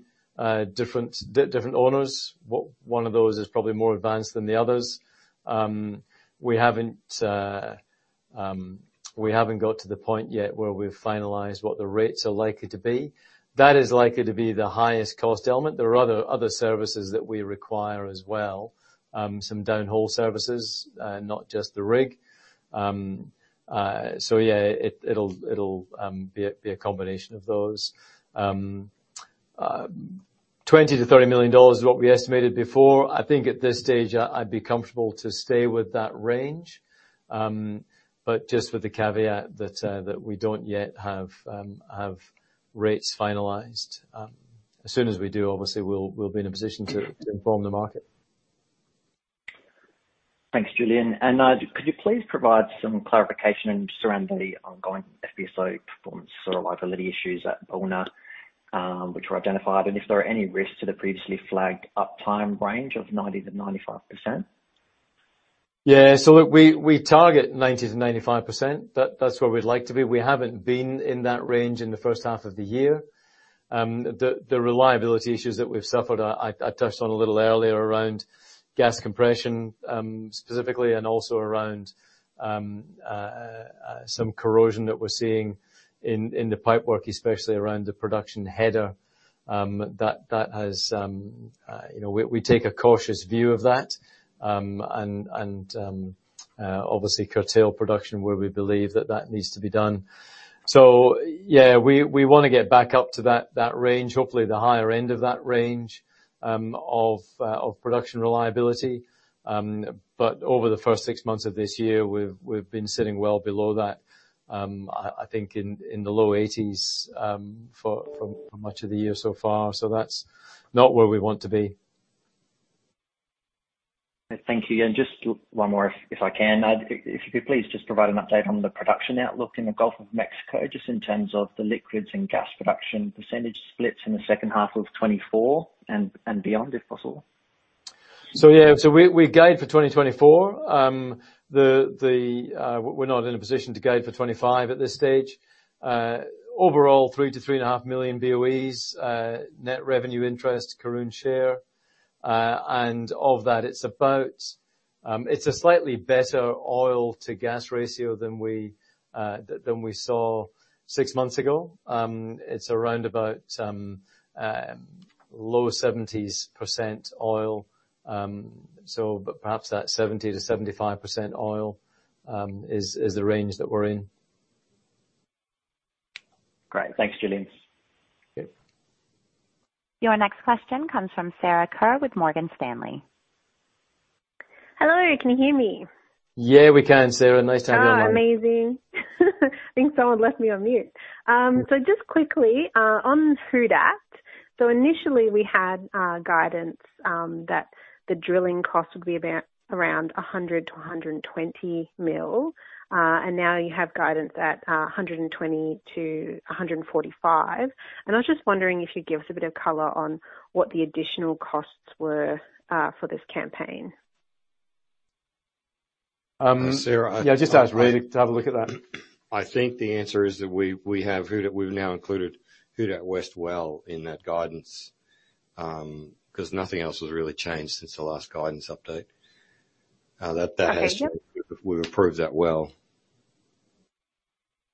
different owners. One of those is probably more advanced than the others. We haven't got to the point yet where we've finalized what the rates are likely to be. That is likely to be the highest cost element. There are other services that we require as well, some downhole services, not just the rig. So yeah, it'll be a combination of those. $20-$30 million is what we estimated before. I think at this stage, I'd be comfortable to stay with that range, but just with the caveat that we don't yet have rates finalized. As soon as we do, obviously, we'll be in a position to inform the market. Thanks, Julian. Could you please provide some clarification surrounding the ongoing FPSO performance sort of reliability issues at Baúna, which were identified, and if there are any risks to the previously flagged uptime range of 90%-95%? Yeah. So look, we target 90%-95%. That's where we'd like to be. We haven't been in that range in the first half of the year. The reliability issues that we've suffered, I touched on a little earlier around gas compression, specifically, and also around some corrosion that we're seeing in the pipework, especially around the production header. That has, you know. We take a cautious view of that, and obviously curtail production where we believe that that needs to be done. So yeah, we want to get back up to that range, hopefully the higher end of that range, of production reliability. But over the first six months of this year, we've been sitting well below that. I think in the low eighties for much of the year so far. So that's not where we want to be. Thank you. And just one more, if I can. If you could please just provide an update on the production outlook in the Gulf of Mexico, just in terms of the liquids and gas production percentage splits in the second half of 2024 and beyond, if possible. So yeah, so we guide for 2024. We're not in a position to guide for 2025 at this stage. Overall, three to three and a half million BOEs, net revenue interest, Karoon share, and of that, it's about. It's a slightly better oil to gas ratio than we saw six months ago. It's around about low 70s% oil, so but perhaps that 70-75% oil is the range that we're in. Great. Thanks, Julian. Okay. Your next question comes from Sarah Kerr with Morgan Stanley. Hello, can you hear me? Yeah, we can, Sarah. Nice to have you on the line. Oh, amazing. I think someone left me on mute. Just quickly, on Who Dat, so initially we had guidance that the drilling cost would be around $100-$120 million, and now you have guidance at $120-$145 million. I was just wondering if you'd give us a bit of color on what the additional costs were for this campaign?... Sarah, yeah, just ask Ray to have a look at that. I think the answer is that we have Who Dat. We've now included Who Dat West well in that guidance, because nothing else has really changed since the last guidance update. That has- Okay, yep. We've approved that well.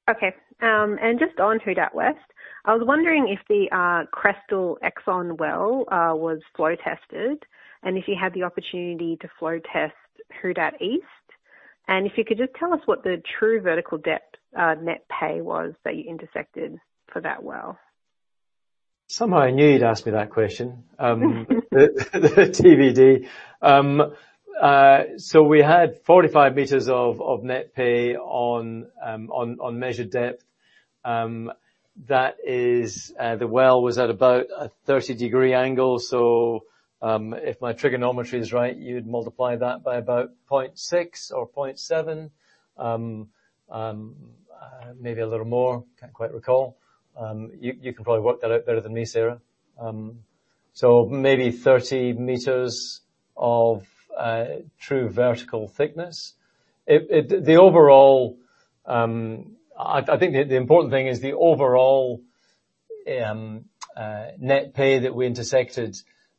Okay, and just on Who Dat West, I was wondering if the Crestal Exxon well was flow tested, and if you had the opportunity to flow test Who Dat East? And if you could just tell us what the true vertical depth net pay was that you intersected for that well? Somehow, I knew you'd ask me that question. The TVD. So we had 45 meters of net pay on measured depth. That is, the well was at about a 30-degree angle, so if my trigonometry is right, you'd multiply that by about point six or point seven. Maybe a little more. Can't quite recall. You can probably work that out better than me, Sarah. So maybe 30 meters of true vertical thickness. The overall net pay that we intersected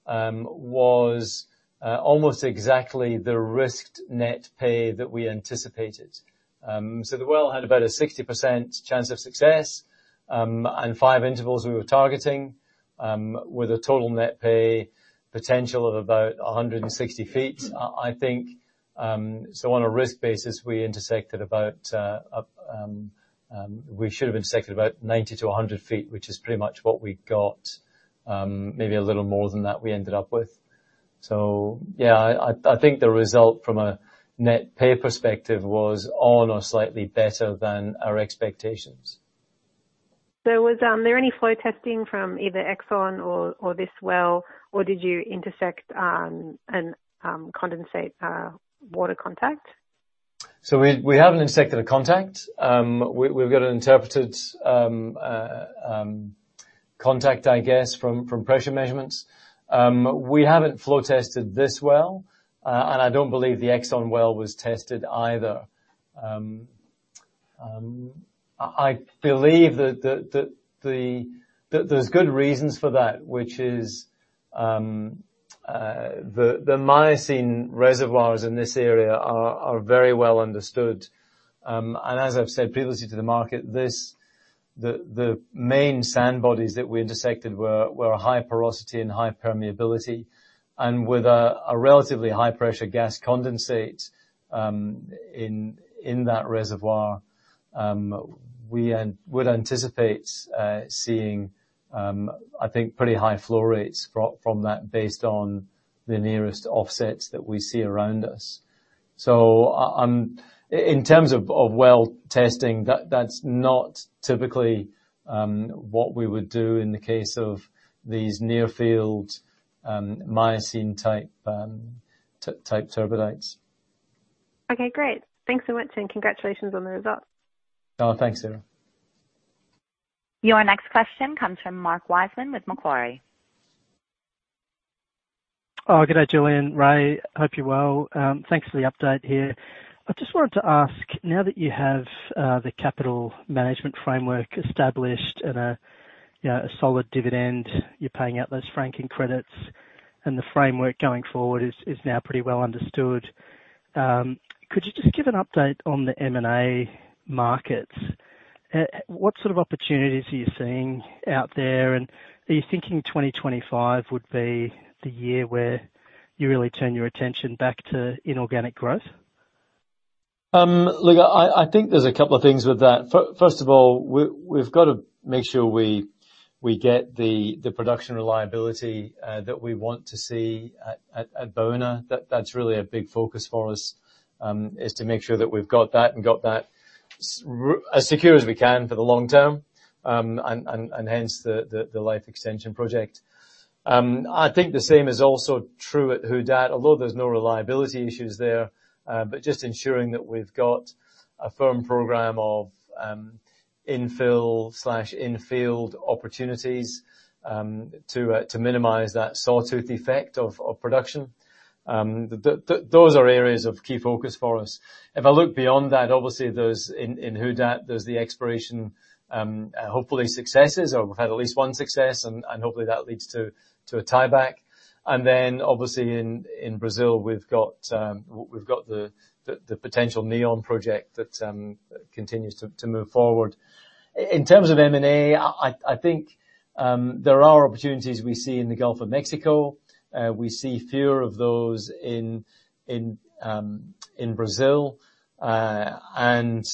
was almost exactly the risked net pay that we anticipated. So the well had about a 60% chance of success, and five intervals we were targeting, with a total net pay potential of about 160 feet, I think. So on a risk basis, we should have intersected about 90-100 feet, which is pretty much what we got. Maybe a little more than that, we ended up with. So yeah, I think the result from a net pay perspective was on or slightly better than our expectations. So was there any flow testing from either Exxon or this well, or did you intersect condensate water contact? We haven't intersected a contact. We've got an interpreted contact, I guess, from pressure measurements. We haven't flow tested this well, and I don't believe the Exxon well was tested either. I believe that there's good reasons for that, which is the Miocene reservoirs in this area are very well understood. And as I've said previously to the market, the main sand bodies that we intersected were a high porosity and high permeability, and with a relatively high-pressure gas condensate in that reservoir, we would anticipate seeing, I think, pretty high flow rates from that based on the nearest offsets that we see around us. In terms of well testing, that's not typically what we would do in the case of these near-field Miocene-type turbidites. Okay, great. Thanks so much, and congratulations on the results. Oh, thanks, Sarah. Your next question comes from Mark Wiseman with Macquarie. Oh, good day, Julian, Ray. Hope you're well. Thanks for the update here. I just wanted to ask, now that you have the capital management framework established and, you know, a solid dividend, you're paying out those franking credits, and the framework going forward is now pretty well understood, could you just give an update on the M&A markets? What sort of opportunities are you seeing out there, and are you thinking twenty twenty-five would be the year where you really turn your attention back to inorganic growth? Look, I think there's a couple of things with that. First of all, we've got to make sure we get the production reliability that we want to see at Baúna. That's really a big focus for us, is to make sure that we've got that and got that as secure as we can for the long term, and hence the life extension project. I think the same is also true at Who Dat, although there's no reliability issues there, but just ensuring that we've got a firm program of infill/infield opportunities, to minimize that sawtooth effect of production. Those are areas of key focus for us. If I look beyond that, obviously, there's in Who Dat, there's the exploration, hopefully successes, or we've had at least one success, and hopefully that leads to a tieback. And then, obviously, in Brazil, we've got the potential Neon project that continues to move forward. In terms of M&A, I think there are opportunities we see in the Gulf of Mexico. We see fewer of those in Brazil. And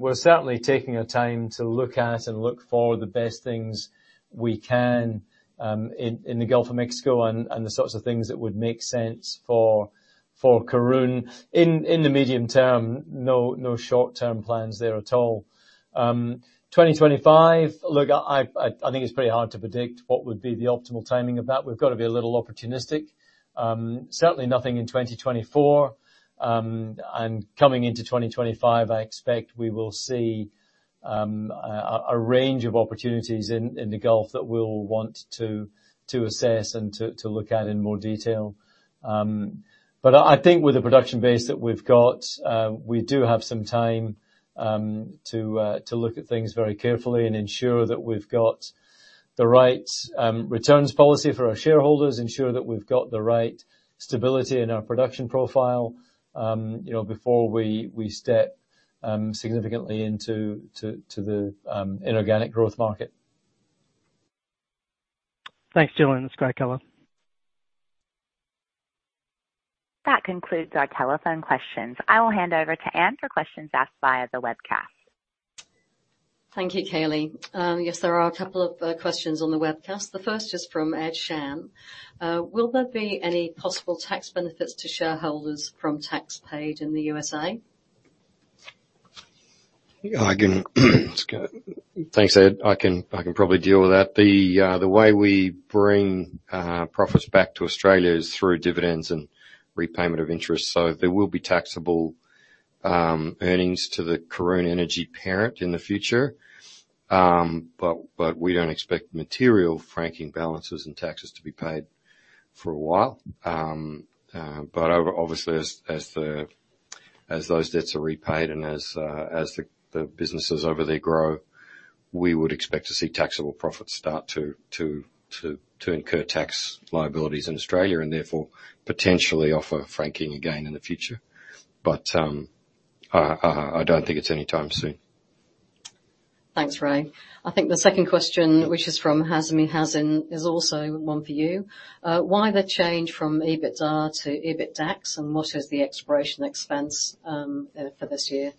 we're certainly taking our time to look at and look for the best things we can in the Gulf of Mexico and the sorts of things that would make sense for Karoon. In the medium term, no short-term plans there at all. 2025, look, I think it's pretty hard to predict what would be the optimal timing of that. We've got to be a little opportunistic. Certainly nothing in 2024, and coming into 2025, I expect we will see a range of opportunities in the Gulf that we'll want to assess and to look at in more detail. But I think with the production base that we've got, we do have some time to look at things very carefully and ensure that we've got the right returns policy for our shareholders, ensure that we've got the right stability in our production profile, you know, before we step significantly into the inorganic growth market. Thanks, Julian. That's great color. That concludes our telephone questions. I will hand over to Ann for questions asked via the webcast. Thank you, Kaylee. Yes, there are a couple of questions on the webcast. The first is from Ed Shand. Will there be any possible tax benefits to shareholders from tax paid in the USA? I can, let's go. Thanks, Ed. I can probably deal with that. The way we bring profits back to Australia is through dividends and repayment of interest, so there will be taxable earnings to the Karoon Energy parent in the future. But we don't expect material franking balances and taxes to be paid for a while. But obviously, as those debts are repaid and as the businesses over there grow, we would expect to see taxable profits start to incur tax liabilities in Australia, and therefore, potentially offer franking again in the future. But I don't think it's any time soon. Thanks, Ray. I think the second question, which is from Hazmy Hazin, is also one for you. Why the change from EBITDA to EBITDAX, and what is the exploration expense for this year?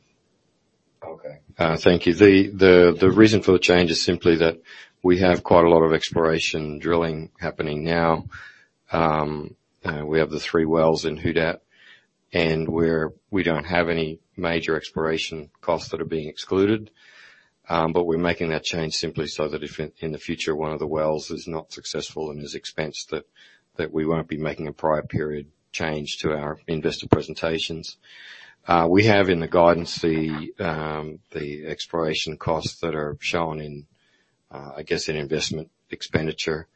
Okay. Thank you. The reason for the change is simply that we have quite a lot of exploration drilling happening now. We have the three wells in Who Dat, and we don't have any major exploration costs that are being excluded, but we're making that change simply so that if in the future, one of the wells is not successful and is expensed, that we won't be making a prior period change to our investor presentations. We have in the guidance the exploration costs that are shown in, I guess, in investment expenditure,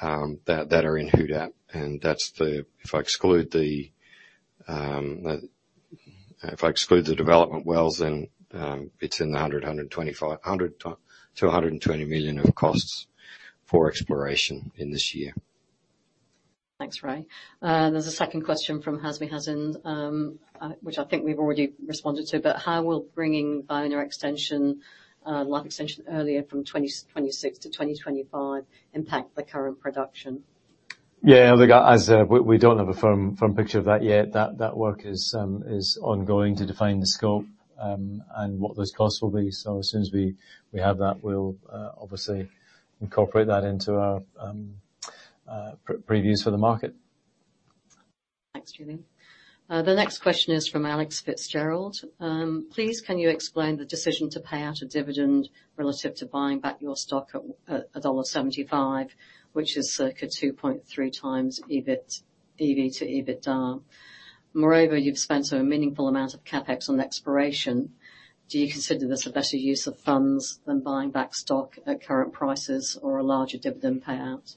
that are in Who Dat, and that's the. If I exclude the development wells, then it's $100-$125 million of costs for exploration this year. Thanks, Ray. There's a second question from Hazmy Hazin, which I think we've already responded to, but how will bringing Baúna life extension earlier from 2026 to 2025 impact the current production? Yeah, look, as we don't have a firm picture of that yet. That work is ongoing to define the scope and what those costs will be. So as soon as we have that, we'll obviously incorporate that into our previews for the market. Thanks, Julian. The next question is from Alex Fitzgerald. Please, can you explain the decision to pay out a dividend relative to buying back your stock at $1.75, which is circa 2.3 times EBITDA? Moreover, you've spent a meaningful amount of CapEx on exploration. Do you consider this a better use of funds than buying back stock at current prices or a larger dividend payout?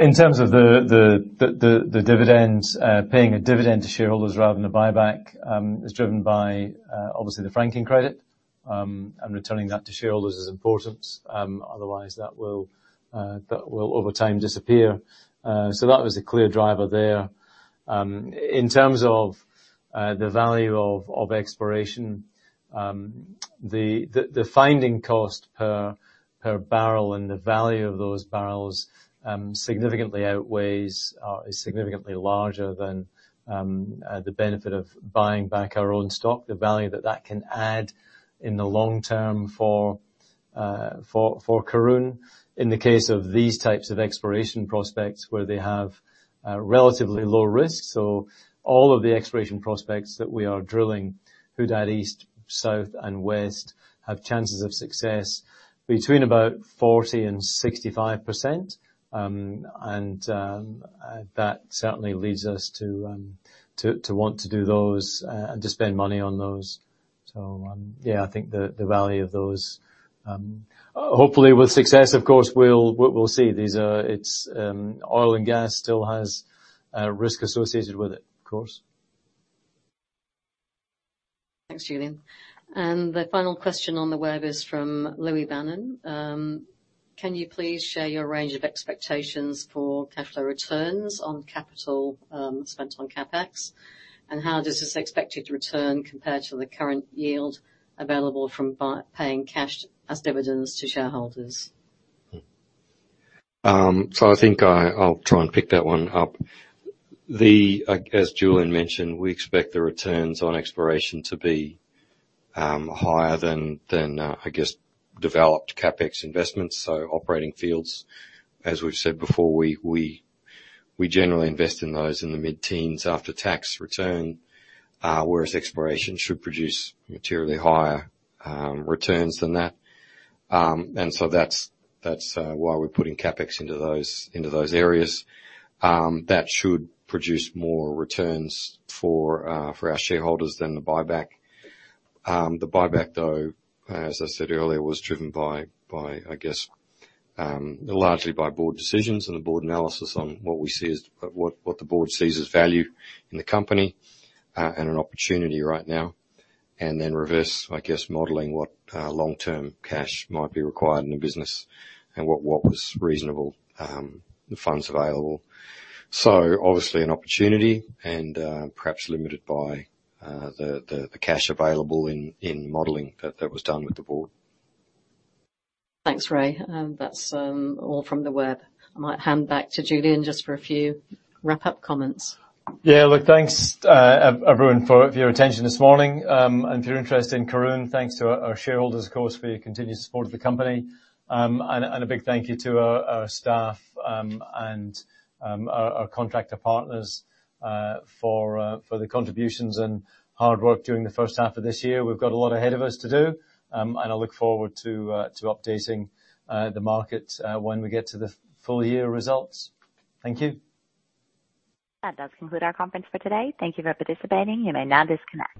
In terms of the dividends, paying a dividend to shareholders rather than a buyback is driven by, obviously, the franking credit. And returning that to shareholders is important, otherwise that will, over time, disappear. So that was a clear driver there. In terms of the value of exploration, the finding cost per barrel and the value of those barrels significantly outweighs, is significantly larger than the benefit of buying back our own stock. The value that that can add in the long term for Karoon. In the case of these types of exploration prospects, where they have relatively low risk. So all of the exploration prospects that we are drilling, Who Dat East, South, and West, have chances of success between about 40%-65%. And that certainly leads us to want to do those, to spend money on those. So, yeah, I think the value of those. Hopefully, with success, of course, we'll see. It's oil and gas still has risk associated with it, of course. Thanks, Julian. And the final question on the web is from Louis Bannon. Can you please share your range of expectations for capital returns on capital, spent on CapEx? And how does this expected return compare to the current yield available from paying cash as dividends to shareholders? So I think I'll try and pick that one up. As Julian mentioned, we expect the returns on exploration to be higher than I guess developed CapEx investments, so operating fields. As we've said before, we generally invest in those in the mid-teens after tax return, whereas exploration should produce materially higher returns than that. And so that's why we're putting CapEx into those areas. That should produce more returns for our shareholders than the buyback. The buyback, though, as I said earlier, was driven by, I guess, largely by board decisions and the board analysis on what the board sees as value in the company, and an opportunity right now, and then reverse, I guess, modeling what long-term cash might be required in the business and what was reasonable, the funds available. So obviously, an opportunity and, perhaps limited by, the cash available in modeling that that was done with the board. Thanks, Ray. That's all from the web. I might hand back to Julian just for a few wrap-up comments. Yeah. Look, thanks, everyone, for your attention this morning, and if you're interested in Karoon, thanks to our shareholders, of course, for your continued support of the company, and a big thank you to our staff and our contractor partners for the contributions and hard work during the first half of this year. We've got a lot ahead of us to do, and I look forward to updating the market when we get to the full year results. Thank you. That does conclude our conference for today. Thank you for participating. You may now disconnect.